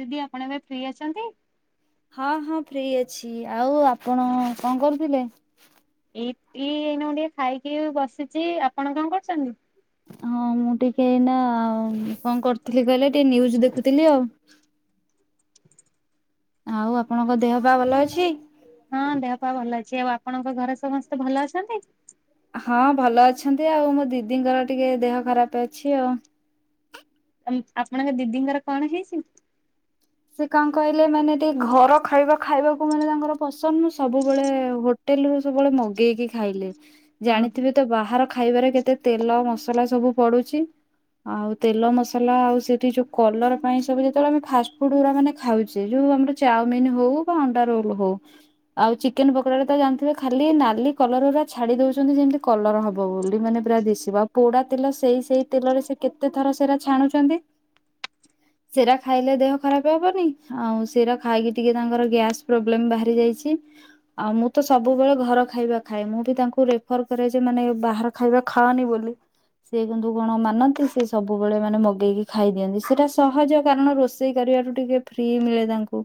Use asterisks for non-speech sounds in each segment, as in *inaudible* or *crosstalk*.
ଦିଦି ଆପଣ ଏବେ ଫ୍ରି ଅଛନ୍ତି। ହଁ ହଁ ଫ୍ରି ଅଛି। ଆଉ ଆପଣ କଣ କରୁଥିଲେ? ଏଇ ଏଇନା ଟିକେ ଖାଇକି ବସିଛି। ଆପଣ କଣ କରୁଛନ୍ତି? ହଁ ମୁଁ ଟିକେ ଏଇନା କଣ କରିଥିଲି କହିଲେ ଟିକେ ନିୁଜ ଦେଖୁଥିଲି ଆଉ। ଆଉ ଆପଣଙ୍କ ଦେହ ପା ଭଲ ଅଛି। ହଁ ଦେହ ପା ଭଲ ଅଛି। ସେ ଆଉ ଆପଣଙ୍କ ଘରେ ସମସ୍ତେ ଭଲ ଅଛନ୍ତି। ହଁ ଭଲ ଅଛନ୍ତି ଆଉ ମୋ ଦିଦିଙ୍କର ଟିକେ ଦେହ ଖରାପ ଅଛି ଆଉ। ଆପଣଙ୍କ ଦିଦିଙ୍କର କଣ ହେଇଛି? ସେ କଣ କହିଲେ ମାନେ ଟିକେ ଘର ଖାଇବା ଖାଇବାକୁ ମାନେ ତାଙ୍କର ପସନ୍ଦ ମୁ ସବୁବେଳେ ହୋଟେଲ ରୁ ସବୁବେଳେ ମଗେଇକି ଖାଇଲେ। ହଁ ଜାଣିଥିବେ ତ ବାହାର ଖାଇବାରେ କେତେ ତେଲ ମସଲା ସବୁ ପଡୁଛି ଆଉ ତେଲ ମସଲା ଆଉ ସେଠି ଯୋଉ କଲର ପାଇଁ ସବୁ ଯେତେବେଳେ ଆମେ ଫାଷ୍ଟ ଖାଉ ଯୋଉ ଆମର ଚାମିନ ହଉ ବା ଅଣ୍ଡା ରୋଲ ହଉ ଆଉ ଚିକେନ ପକୋଡାରେ ତ ଜାଣିିବେ ଖାଲି ନାଲି କଲର ଛାଡି ଦଉଛନ୍ତି ଯେମତି କଲର ହବ ବୋଲି ମାନେ ପ ଦିଶିବ ପୋଡା ତେଲ ସେଇ ସେଇ ତେଲରେ ସେ କେତେ ଥର ସେ ଛାଣୁଛନ୍ତି ସେରା ଖାଇଲେ ଦେହ। ଖରାପ ହବନି ଆଉ ସେଟା ଖାଇକି ଟିକେ ତାଙ୍କର ଗ୍ୟାସ୍ ପ୍ରୋବ୍ଲେମ ବାହାରି ଯାଇଛି ଆଉ ମୁଁ ତ ସବୁବେଳେ ଘର ଖାଇବା ଖାଏ ମୁଁ ବି ତାଙ୍କୁ ରେଫର କରେ ଯେ ମାନେ ବାହାର ଖାଇବା ଖାଅନି ବୋଲି ସେ କିନ୍ତୁ କଣ ମାନନ୍ତି ସେ ସବୁବେଳେ ମାନେ ମଗେଇକି ଖାଇଦିଅନ୍ତି ସେଟା ସହଜ କାରଣ ରୋଷେଇ ସେଇ କରିବାଠୁ ଟିକେ ଫ୍ରି ମିଳେ ତାଙ୍କୁ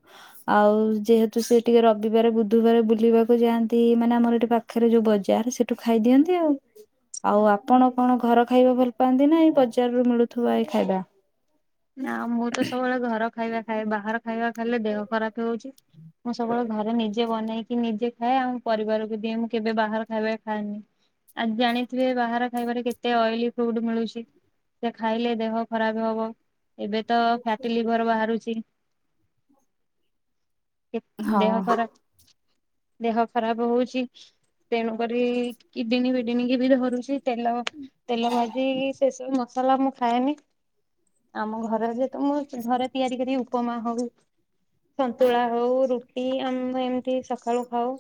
ଆଉ ଯେହେତୁ ସେ ଟିକେ ରବିବାର ବୁଧବାର ବୁଲିବାକୁ ଯାଆନ୍ତି ମାନେ ଆମର ଏଠି ପାଖରେ ଯୋଉ ବଜାର ସେଠୁ ଖାଇଦିଅନ୍ତି ଆଉ। ଆଉ ଆପଣ କଣ ଘର ଖାଇବା ଭଲ ପାଆନ୍ତି ନା ଏଇ ବଜାରରୁ ମିଳୁଥିବା ଏଇ ଖାଇବା। ନା ମୁଁ ତ ସବୁବେଳେ ଘର ଖାଇବା ଖାଇଏ ବାହାର ଖାଇବା ଖାଇଲେ ଦେହ ଖରାପ ହେଉଛି। ମୁଁ ସବୁବେଳେ ଘରେ ନେଇଯି ନିଜେ ବନେଇକି ନିଜେ ଖାଏ ଆଉ ପରିବାରକୁ ଦିଏ ମୁଁ କେବେ ବାହାର ଖାଇବାାରେ ଖାଏନି ଆ ଜାଣିଥିବେ ବାହାର ଖାଇବାରେ କେତେ ଅଏଲି ଫ୍ରୁଡ ମିଳୁଛି ସେ ଖାଇଲେ ଦେହ ଖରାପ ହବ। ଏବେ ତ ଫ୍ୟାଟି ଲିଭର ବାହାରୁଛି। କେ ଦେହ ହଁ ଖରା ଦେହ ଖରାପ ହଉଛି ତେଣୁକରି କିଡିନୀ ବିଡିନ କି ବି ଧରୁଛି ତେଲ ତେଲ ଭାଜିି ସେସବୁ ମସଲା ମୁଁ ଖାଏନି ଆମ ଘର ଯେହେତୁ ମୁଁ ଘରେ ତିଆରି କର ଉପମା ହଉ ସନ୍ତୁଳା ହଉ ରୁଟି ଆମେ ଏମିତି ସକାଳୁ ଖାଉ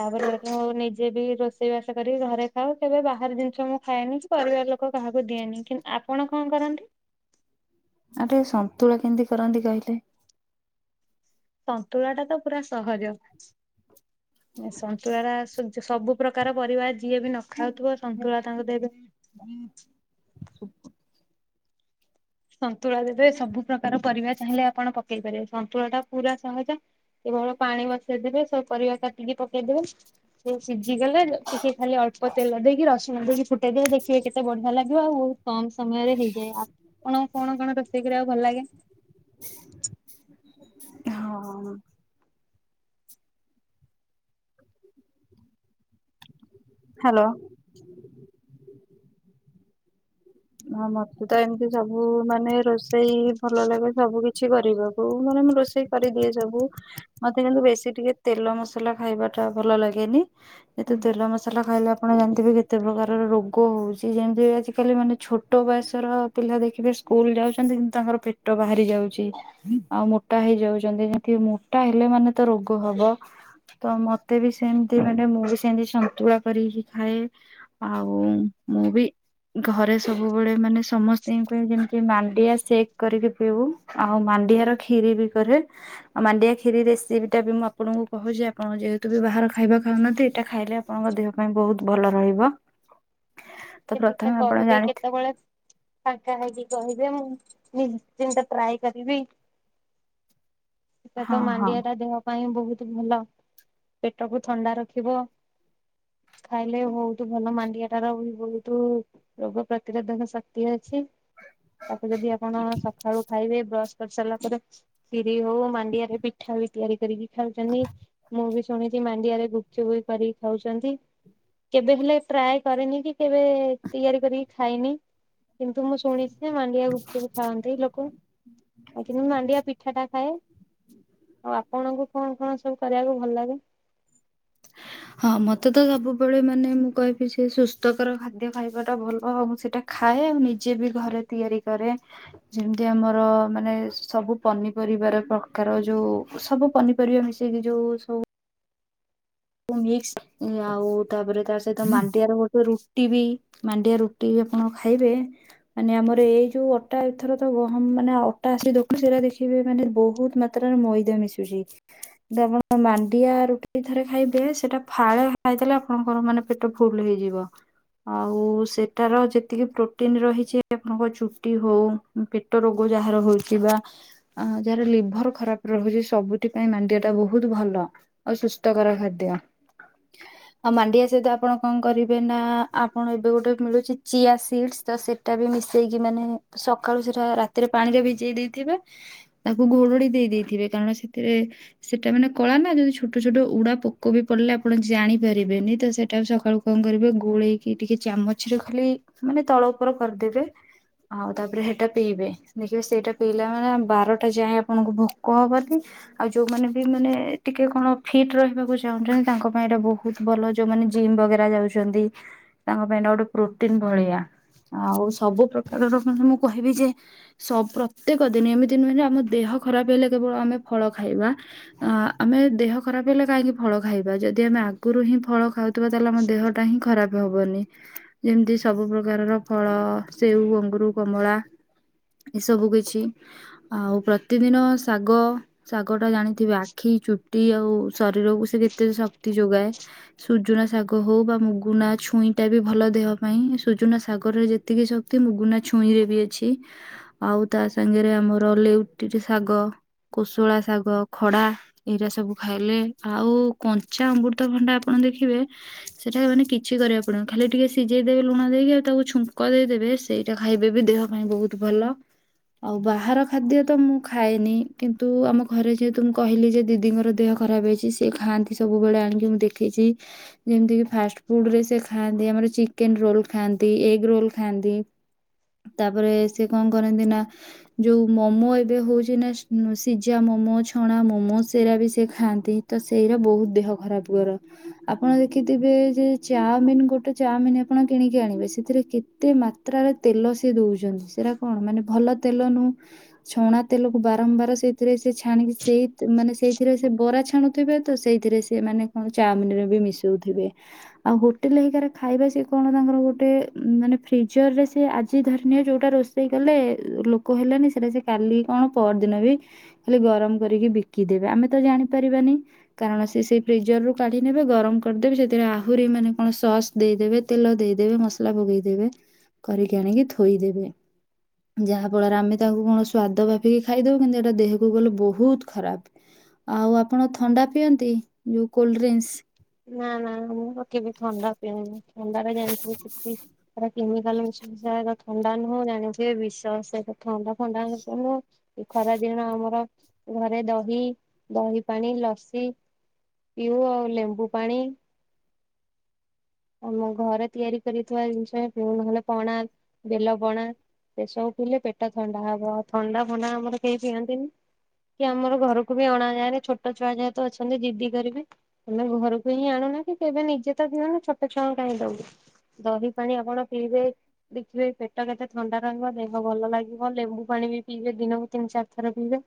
ତାପରେ ନିଜେ ବି ରୋେଇ ରଷେଇ ବାସ କର ଘରେ ଖାଉ କେବେ ବାହାର ଜିନିଷ ମୁଁ ଖାଏନି କି ପରିବାର ଲୋକ କାହାକୁ ଦିଏନି କିନ୍ତ ଆପଣ କଣ କରନ୍ତି। ଆଉ ଟିକେ ସନ୍ତୁଳା କେମତି କରନ୍ତି କହିଲେ। ସନ୍ତୁଳା ଟା ତ ପୁରା ସହଜ ସନ୍ତୁଳା ଟା ସବୁ ପ୍ରକାର ପରିବା ଅଛି। ଯିଏ ବି ନ ଖାଉଥିବ ସନ୍ତୁଳା ତାଙ୍କୁ ଦେବେ ସୁ *unintelligible* ସନ୍ତୁଳା ଦେବ ସବୁ ପ୍ରକାର ପରିବା ଚାହିଁଲେ ଆପଣ ପକେଇ ପାରିବେ। ପକେଇ ପାରିବ ସନ୍ତୁଳ ଟା ପୁରା ସହଜ। କେବଳ ପାଣି ବସେଇଦେବେ, ସବୁ ପରିବା କାଟିକି ପକେଇଦେବେ ସିଜି ଯିବ। ବଗଲେ ଟିକେ ଖାଲି ଅଳ୍ପ ତେଲ ଦେଇକି, ରସୁଣ ଦେଇକି ଫୁଟେଇ ଦେବେ ଦେଖିବେ କେତେ ବଢିଆ ଲାଗିବ। ଯ ଆ ହଉ *unintelligible* କମ ସମୟରେ ହେଇଯାଏ, ଆପ ତମକୁ କଣ କଣ ରୋଷେଇ କରିବାକୁ ଭଲ ଲାଗେ? ହଁ! ହ୍ୟାଲୋ! ହ! ମତେ ତ ଏମିତି ସବୁ ମାନେ ରୋଷେଇ ଭଲ ଲାଗେ ସବୁ କିଛି କରିବାକୁ, ମାନେ ମୁଁ ରୋଷେଇ କରିଦିଏ ସବୁ। ମତେ କିନ୍ତୁ ବେଶୀ ଟିକେ ତେଲ, ମସଲା ଖାଇବା ଟା ଭଲ ଲାଗେନି। ଯେତ ତେଲ ମସଲା ଖାଇଲା ପରେ ଆପଣ ଜାଣିଥିବେ କେତେ ପ୍ରକାରର ରୋଗ ହଉଛି ଯେମିତି ଆଜିକାଲି ମାନେ, ଛୋଟ ବୟସର ପିଲା ଦେଖିବେ ସ୍କୁଲ ଯାଉଛନ୍ତି କିନ୍ତୁ ତାଙ୍କର ଛୋଟ ବୟଷର ପିଲା ଦେଖିବେ, ସ୍କୁଲ ଯାଉଛନ୍ତି କିନ୍ତୁ ତାଙ୍କର ପେଟ ବାହାରି ଯାଉଛି, ଆଉ ମୋଟା ହେଇଯାଉଛନ୍ତି, ଯେମିତି ମୋଟା ହେଲେ ମାନେ ତ ରୋଗ ହବ! ତ ମତେ ବି ସେମିତି ମାନେ ମୁଁ ବି ସେମିତି ସନ୍ତୁଳା କରିକି ଖାଏ। ଆଉ ମୁଁ ବି ଘରେ, ସବୁବେଳେ ମାନେ ସମସ୍ତଙ୍କ ପାଇଁ ଯେମିତି ମାଣ୍ଡିଆ ସେକ୍ କରିକି ପିଇବୁ, ଆଉ ମାଣ୍ଡିଆର ଖିରି ବି କରେ, ଆଉ ମାଣ୍ଡିଆ ଖିରିର ରେସିପି ଟା ବି ମୁଁ ଆପଣଙ୍କୁ କହୁଛି ଆପଣ ଯେହେତୁ ବି ବାହାର ଖାଇବା, ଖାଉନାହାନ୍ତି, ଏଇଟା ଖାଇଲେ ଆପଣଙ୍କ ଦେହ ପାଇଁ ବହୁତ ଭଲ ରହିବ। ତ ପ୍ରଥମେ ଆପଣ ଜାଣି ସେତେବେଳେ ଫାଙ୍କା ହେଇକି କହିହି। ମୁଁ ଦି ତିନିଟା ଟ୍ରଏ କରିବି। ସେ ହଁ ତ ହଁ ମାଣ୍ଡିଆ ଟା ଦେହ ପାଇଁ ବହୁତ ବହୁତ ଭଲ। ପେଟକୁ ଥଣ୍ଡା ରଖିବ, ଖାଇଲେ ବହୁତ ଭଲ ମାଣ୍ଡିଆ ଟାର ବି ବହୁତ। କିୁ ରୋଗ ପ୍ରତିରୋଧକ ଶକ୍ତି ଅଛି। ତାକୁ ଯଦି ଆପଣ ସକାଳୁ ଖାଇବେ ବ୍ରସ କରିକି। କରି ସାରିଲା ପରେ, କ୍ଷିରି ହଉ ମାଣ୍ଡିଆରେ ପିଠା ବି ତିଆରି କରିକି ଖାଉଛନ୍ତି, ମୁଁ ବି ଶୁଣିଛି ମାଣ୍ଡିଆରେ ଗୁପଚୁପ ବି କରିକି ଖାଉଛନ୍ତି। କେବେ ହେଲେ ଟ୍ରାଏ କରେନି କି, କେବେ ତିଆରି କରିକି ଖାଇନି, କିନ୍ତୁ! ମୁଁ ଶୁଣିଛି। ସେ ମାଣ୍ଡିଆ ଗୁପଚୁପ ଖାଆନ୍ତି ଲୋକ, ଆଉ କିନ୍ତୁ ମାଣ୍ଡିଆ ପିଠା ଟା ଖାଏ। ଆଉ ଆପଣଙ୍କୁ କଣ କଣ ସବୁ କରିବାକୁ ଭଲ ଲାଗେ? ହଁ! ମତେ ତ ସବୁବେଳେ ମାନେ ମୁଁ କହିବି ସେ ସୁସ୍ଥକର ଖାଦ୍ୟ ଖାଇବାଟା ଭଲ, ଆଉ ମୁଁ ସେଇଟା ଖାଏ ଆଉ ନିଜେ ବି ଘରେ ତିଆରି କରେ। ଯେମିତି ଆମର ମାନେ ସବୁ ପନିପରିବାାର ପ୍ରକାର ଯୋଉ ସବୁ ପନିପରିବା ମିଶେଇକି ଯୋଉ ସବୁ, ସବୁ ମିକ୍ସ ଆଉ ତାପରେ ତା ସହିତ ମାଣ୍ଡିଆ ର ଗୋଟେ ରୁଟି ବି ମାଣ୍ଡିଆ ରୁଟି ବି ଆପଣ ଖାଇବେ, ମାନେ ଆମର ଏଇ ଯୋଉ ଅଟା ଏଥର ତ ଗହମ ମାନେ ଅଟା ଆସିକ ଦଖ ସେଇଟା ଦେଖିବେ ମାନେ ବହୁତ ମାତ୍ରାରେ ମଇଦା ମିଶୁଛି। ଆପଣ ମାଣ୍ଡିଆ ରୁଟିଥରେ ଖାଇବେ, ସେଟା ଫାଳେ ଖାଇଦେଲେ ଆପଣଙ୍କର ମାନେ ପେଟ ଫୁଲ ହେଇଯିବ। ଆଉ, ସେଟାର ଯେତିକି ପ୍ରୋଟିନ ରହିଛି ଆପଣଙ୍କ ଚୁଟି ହଉ, ପେଟ ରୋଗ, ଯାହାର ହଉଛି ବା ଯାହାର ଲିଭର ଖରାପ ରହୁଛି, ସବୁଥି ପାଇ ମାଣ୍ଡିଆ ଟା ବହୁତ ଭଲ, ଆଉ ସୁସ୍ଥକର ଖାଦ୍ୟ। ଆଉ ମାଣ୍ଡିଆ ସହିତ ଆପଣ କଣ କରିବେ ନା, ଆପଣ ଏବେ ଗୋଟେ ମିଳୁଛି ଚିଆ ସିଡ ତ ସେଟା ବି ମିଶେଇକି, ମାନେ ସକାଳୁ ସେଟା ରାତିରେ ପାଣିରେ ଭିଜେଇ ଦେଇଥଥିବେ, ତାକୁ ଘୋଡଡି ଦେଇ ଦେଇେଇଥିବେ କାରଣ ସେଥିରେ ସେଟା ମାନେ କଳା ନା ଯଦି ଛୋଟ ଛୋଟ ଉଡା ପୋକ କୋବି ପଡ଼ିଲେ ଆପଣ ଜାଣି ପାରିବେନି ତ ସେଟାବି ସକାଳୁ କଣ କରିବେ ଗୋଳେଇକି ଟିକେ ଚାମଚ ରେ ଖାଲି ମାନେ ତଳ ଉପର କରିଦେବେ ଆଉ ତାପରେ ହେଟା ପିଇବେ ଦେଖିବେ ସେଇଟା ପିଇଲା ମାନେ ଆମ୍ ବାରଟା ଯାଏଁ ଆପଣଙ୍କୁ ଭୋକ ହବନି ଆଉ ଯୋଉମାନେ ବି ମାନେ ଟିକେ କଣ ଫିଟ୍ ରହିବାକୁ ଚା *unintelligible* ତାଙ୍କ ପାଇଁ ଏଇଟା ବହୁତ ଭଲ ଯୋଉମାନେ ଜିମ୍ ବଗେରା ଯାଉଛନ୍ତି ତାଙ୍କ ପାଇଁ ଏଟା ଗୋଟେ ପ୍ରୋଟିନ ଭଳିଆ ଆଉ ସବୁ ପ୍ରକାରର ମୁଁ ମୁଁ କହିବି ଯେ ସବ୍ ପ୍ରତ୍ୟେକ ଦିନି ଏମିତି ନୁହେଁ ଯେ ଆମ ଦେହ ଖରାପ ହେଲେ କେବଳ ଆମେ ଫଳ ଖାଇବା ଆ ଆମେ ଦେହ ଖରାପ ହେଲେ ଖାଇକି ଫଳ ଖାଇବା ଯଦି ଆମେ ଆଗୁରୁ ହିଁ ଫଳ ଖାଉ ତୁବ ତାହାଲେ ଆମ ଦେହଟା ହିଁ ଖରାପ ହବନି ଯେମିତି ସବୁ ପ୍ରକାରର ଫଳ ସେଉ, ଅଙ୍ଗୁରୁ, କମଳା ଏସବୁ କିଛି ଆଉ ପ୍ରତିଦିନ ଶାଗ ଶାକ କଉଟା ଜାଣିଥିବେ ଆଖି ଚୁ ଟି ଆଉ ଶରୀର ଉ ରିତେଜ୍ ଶକ୍ତି ଯୋଗାଏ। ସୁଜୁନା ଶାଗ ହଉ ବା ମୁଗୁନା ଛୁଇଁ ଟା ବି ଭଲ ଦେହ ପାଇଁ ସୁଜୁନା ଶାଗରେ ଯେତିକି ଶକ୍ତି ମୁଗୁନା ଛୁଇଁ ରେ ବି ଅଛି ଆଉ ତା ସାଙ୍ଗରେ ଆମର ଲେଉଟି ଚି ଶାଗ, କୋଶଳା ଶାଗ, ଖଡ଼ା ଏଇରା ସବୁ ଖାଇଲେ ଆଉ କଞ୍ଚା ଅମୃତଭଣ୍ଡା ଆପଣ ଦେଖିବେ ସେଟାବି ମାନେ କିଛି କରିବାକୁ ପଡିଅନି ଖାଲି ଟିକେ ସିଝେଇ ଦେବେ ଲୁଣ ଦେଇକି ଆଉ ତାକୁ ଛୁଙ୍କ ଦେଇଦେବେ ସେଇଟା ଖାଇବେ ବି ଦେହ ପାଇଁ ବହୁତ ଭଲ ଆଉ ବାହାର ଖାଦ୍ୟ ତ ମୁଁ ଖାଏନି କିନ୍ତୁ ଆମ ଘରେ ଯେହେତୁ ମୁଁ କହିଲି ଯେ ଦିଦିଙ୍କର ଦେହ ଖରାପ ହେଇଚି ଚି ଏ ଖାଆନ୍ତି ସବୁବେଳେ ଆଣିକି ମୁଁ ଦେଖିଛି ଯେମିତିକି ଫାଷ୍ଟଫୁଡ୍ ରେ ସେ ଖାଆନ୍ତି ଆମର ଚିକେନ ରୋଲ୍ ଖାଆନ୍ତି ଏଗ୍ ରୋଲ୍ ଖାଆନ୍ତି ତାପରେ ସେ କଣ କରନ୍ତି ନା ଯୋଉ ମୋମୋ ଏବେ ହଉଛି ନା ସି ସିଝା ମୋମୋ ଛଣା ମୋମୋ ସେଇରା ବି ସେ ଖାଆନ୍ତି। ତ ସେଇରା ବହୁତ ଦେହ ଖରାପ କର। ଆପଣ ଦେଖିଥିବେ ଯେ ଚି ଚାଓମିନ୍ ଗୋଟେ ଚାମିନ୍ ଆପଣ କିଣିକି ଆଣିବେ ସେଥିରେ କେତେ ମାତ୍ରାରେ ତେଲ ସେ ଦଉଛନ୍ତି ସେରା କଣ ମାନେ ଭଲ ତେଲ ନୁ ଛଣା ତେଲକୁ ବାରମ୍ବାର ସେ ସେଥିରେ ସେ ଛାଣିକି ସେଇ ଥି ମାନେ ସେଇଥିରେ ବି ସେ ବରା ଛାଣୁ ତ ସେଇଥିରେ ସେ ମାନେ କଣ ଚାଓମିନିରେ ବି ମିଶଉଥିବେ ଆଉ ହୋଟେଲ ହେଇକା ରେ ଖାଇବା ସେ କଣ ତାଙ୍କର ଗୋଟେ ଉଁ ମାନେ ଫ୍ରିଜର ରେ ସେ ଆଜି ଧରିନିଅ ଯୋଉଟା ରୋଷେଇ କଲେ ଲୋକ ହେଲେନି ସେଟା ସେ କାଲି କଣ ପଅର ଦିନ ବି ଖାଲି ଗରମ କରିକି ବିକିଦେବେ ଆମେ ତ ଜାଣିପାରିବାନି। କାରଣ ସେ ସେଇ ପ୍ରିଜର ରୁ କାଢି ନେବେ ଗରମ କରିଦେବେ ସେଥିରେ ଆହୁରି ମାନେ କଣ ସସ୍ ଦେଇଦେବେ ତେଲ ଦେଇଦେବେ ମସଲା ପକେଇଦେବେ କରିକି ଆଣିକି ଥୋଇଦେବେ ଉଁ ଯାହା ଫଳରେ ଆମେ ତାକୁ କଣ ସ୍ଵାଦ ଭବିକି ଖାଇଦବୁ କିନ୍ତୁ ଏଇଟା ଦେହକୁ ଗଲେ ବହୁତ ଖରାପ ଆଉ ଆପଣ ତ ଥଣ୍ଡା ପିଅନ୍ତି ଯୋଉ କୋଲଡ୍ରିନ୍ସ। ନା ନା ମୁଁ ତ କେବେ ଥଣ୍ଡା ପିଏନି। ଥଣ୍ଡାରେ ଜାଣିଥିବେ *unintelligible* କେମିକାଲ ମିଶେ ମିଶା ଥଣ୍ଡା ନୁହଁ ଜାଣିବେ ବିଷ ଷଦ ଥଣ୍ଡା ଫଣ୍ଡା ଏ ଖରା ଦିନ ଆମର ଘରେ ଦହି, ଦହିପାଣି, ଲସି ପିଉ ଆଉ ଲେମ୍ବୁ ପାଣି। ଆମ ଘରେ ତିଆରି କରିଥିବା ଜିନ୍ସ ହିଁ ପିଉ ନହେଲେ ପଣା, ବେଲପଣା ଏସବୁ ପିଇଲେ ପେଟ ଥଣ୍ଡା ହବ ଆଉ ଥଣ୍ଡା ଫଣ୍ଡା ଆମର କେହି ପିଅନ୍ତିନି କି ଆମର ଘରକୁ ବି ଅଣାଯାଏରେ ଛୋଟ ଛୁଆ ଯେହେତୁ ଅଛନ୍ତି ଜିଦି କରିବେ ଆମେ ଘରକୁ ହିଁ ଆଣୁନା କି କେବେ ନିଜେତ ପିଉନା। ତ ଛୁଆଙ୍କୁ କାହିଁ ଦବୁ ଦହି ପାଣି ଆପଣ ପିଇବେ ଦେଖିବେ ପେଟ କେତେ ଥଣ୍ଡା ରହିବ ଦେହ ଭଲ ଲାଗିବ ଲେମ୍ବୁ ପାଣି ବି ପିଇବେ ଦିନକୁ ତିନ୍ ଚାରି ଥର ପିଇବେ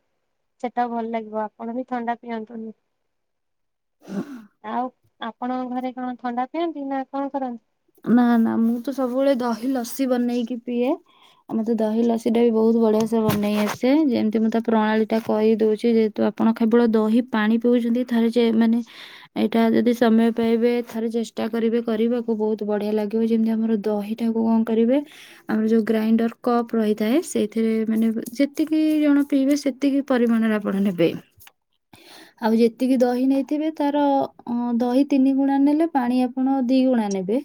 ସେଟା ଭଲ ଲାଗିବ ଆପଣ ବି ଥଣ୍ଡା ପିଅନ୍ତୁନି। ଆଉ। ଆପଣଙ୍କ ଘରେ କଣ ଥଣ୍ଡା ଖେନ୍ତି ନା କଣ କରନ୍ତି? ଆ ନା ନା ମୁଁ ତ ସବୁବେଳେ ଦହି ଲସି ବନେଇକି ପିଏ ଆମେ ତ ଦହି ଲସି ଟା ବି ବହୁତ ବଢିଆସେ ବନେଇ ଆସେ ଯେମିତି ମୁଁ ତାକୁ ପ୍ରଣାଳୀ ଟା କହିଦଉଛି ଯେହେତୁ ଆପଣ କେବଳ ଦହି ପାଣି ପିଉଛନ୍ତି, ଥରେ ଯେ ମାନେ ଏଇଟା ଯଦି ସମୟ ପାଇବେ ଥରେ ଚେଷ୍ଟା କରିବେ କରିବାକୁ ବହୁତ ବଢିଆ ଲାଗିବ ଯେମିତି ଆମର ଦହିଟାକୁ କଣ କରିବେ ଆମେ ଯୋଉ ଗ୍ରାଇଣ୍ଡର କପ୍ ରହିଥାଏ ସେଇଥିରେ ମାନେ ଯେତିକି ଜଣ ପିଇବେ ସେତିକି ପରିମାଣରେ ଆପଣ ନେବେ ଆଉ ଯେତିକି ଦହି ନେଇଥିବେ ତାର ଅଁ ଦହି ତିନି ଗୁଣା ନେଲେ ପାଣି ଆପଣ ଦି ଗୁଣା ନେବେ।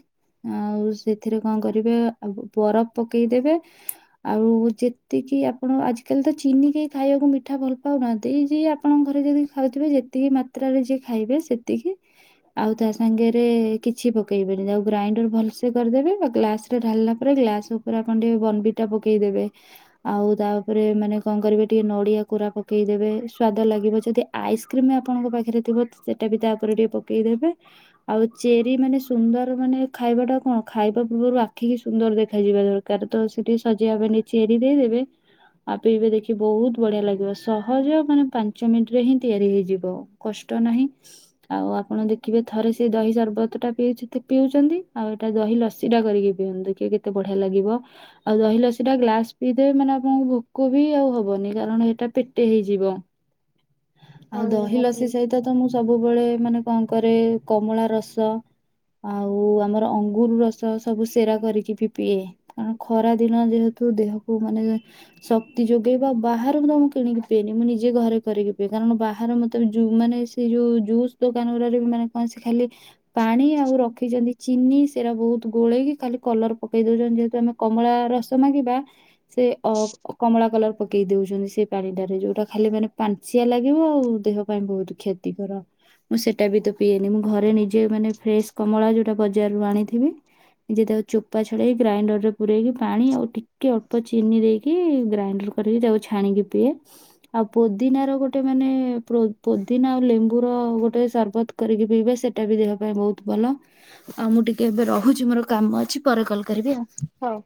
ଆଉ ସେଥିରେ କଣ କରିବେ ଆବୁ ବରଫ ପକେଇଦେବେ ଆଉ ଯେତିକି ଆପଣ ଆଜିକାଲିତ ଚିନି କେହି ଖାଇବାକୁ ମିଠା ଭଲ ପାଉନାହାନ୍ତି ଯିଏ ଆପଣଙ୍କ ଘରେ ଯଦି ଖାଉଥିବେ ଯେତିକି ମାତ୍ରାରେ ଯିଏ ଖାଇବେ ସେତିକି ଆଉ ତା ସାଙ୍ଗରେ କିଛି ପକେଇବେନି। ଗ୍ରାଇଣ୍ଡର ଭଲସେ କରିଦେବେ ବା ଗ୍ଲାସରେ ଢାଳିଲା ପରେ ଗ୍ଲାସ ଉପରେ ଆପଣ ଟିକେ ବନବିଟା ପକେଇଦେବେ, ଆଉ ତା ଉପରେ ମାନେ କଣ କରିବେ ଟିକେ ନଡିଆ କୋରା ପକେଇଦବେ ସ୍ଵାଦ ଲାଗିବ ଯଦି ଆଇସ୍କ୍ରିମ ଆପଣଙ୍କ ପାଖରେ ଥିବ ସେଟା ବି ତା ଉପରେ ଟିକେ ପକେଇଦବେ, ଆଉ ଚେରି ମାନେ ସୁନ୍ଦର ମାନେ ଖାଇବା ଟା କଣ ଖାଇବା ପୂର୍ବରୁ ଆଖିକୁ ସୁନ୍ଦର ଦେଖାଯିବା ଦରକାର ତ ସେଠି ସଜେଇବା ପା ନେଇ ଚେରି ଦେଇଦେବେ ଆଉ ପିଇବେ ଦେଖି ବହୁତ ବଢିଆ ଲାଗିବ ସହଜ ମାନେ ପାଞ୍ଚ ମିଣ୍ଟି ରେ ହିଁ ତିଆରି ହେଇଯିବ କଷ୍ଟ ନାହିଁ ସି ଆଉ ଆପଣ ଦେଖିବେ ଥରେ ସେ ଦହି ସରବତ ଟା ପିଉଥି ତେ ପିଉଛନ୍ତି ଆଉ ଏଟା ଦହି ଲସି ଟା କରିକି ପିଅନ୍ତୁ ଦେଖିବେ କେତେ ବଢିଆ ଲାଗିବ ଆଉ ଦହି ଲସି ଟା ଗ୍ଲାସ ପିଇଦେବେ ମାନେ ଆପଣଙ୍କୁ ଭୋକ ବି ଆଉ ହବନି କାରଣ ଏଟା ପେଟେ ହେଇଯିବ। ଆଉ ହଁ ଦହି ନିହାତି ଲସି ସହିତ ତ ମୁଁ ସବୁ ସବୁବେଳେ ମାନେ କଣ କରେ କମଳା ରସ ଆଉ ଆମର ଅଙ୍ଗୁରୁ ରସ ସବୁ ସେରା କରିକି ବି ପିଏ ଆଁ ଖରା ଦିନ ଯେହେତୁ ଦେହକୁ ମାନେ ଶକ୍ତି ଯୋଗେଇବ ବାହାରକୁ ତ ମୁଁ କିଣିକି ପିଏନି ମୁଁ ନିଜେ ଘରେ କରିକି ପିଏ କାରଣ ବାହର ମତେବି ଯୁ ମାନେ ସେ ଯୋଉ ଜୁସ୍ ଦୋକାନ ଗୁରାରେ ବି ମାନେ କଣ ସେ ଖାଲି ପାଣି ଆଉ ରଖିଛନ୍ତି ଚିନି ସେରା ବହୁତ ଗୋଳେଇକି ଖାଲି କଲର ପକେଇ ଦଉଚନ୍ତି ଯେହେତୁ ଆମେ କମଳା ରସ ମାଗିବା ସେ ଅ କମଳା କଲର ପକେଇ ଦଉଛନ୍ତି ସେ ପାଣିଟାରେ ଯୋଉଟା ଖାଲି ମାନେ ପାଞ୍ଚିଆ ଲାଗିବ ଆଉ ଦେହ ପାଇଁ ବହୁତ କ୍ଷତିକର ମୁଁ ସେଟାବି ତ ପିଏନି ମୁଁ ଘରେ ମାନେ ନିଜେ ମାନେ ଫ୍ରେସ୍ କମଳା ଯୋଉଟା ବଜାରରୁ ଆଣିଥିବି ନିଜେ ତାକୁ ଚୋପା ଛଡ଼େଇକି ଗ୍ରାଇଣ୍ଡରରେ ପୁରରେଇକି ପାଣି ଆଉ ଟିକେ ଅଳ୍ପ ଚିନି ଦେଇକି ଗ୍ରାଇଣ୍ଡର କରିକି ଚାକୁ ଛାଣିକି ପିଏ ଆଉ ପୋଦିିନା ର ଗୋଟେ ମାନେ ପ୍ରୋ ପୋଦିନା ଆଉ ଲେମ୍ବୁ ର ଗୋଟେ ସାରବତ୍ କରିକି ପିଇବେ ସେଟା ବି ଦେହ ପାଇଁ ବହୁତ ବଲ, ଆଉ ମୁଁ ଟିକେ ଏବେ ରହୁଛି ମୋର କାମ ଅଛି। ପରେ କଲ୍ କରିବି ଆଉ। ହଉ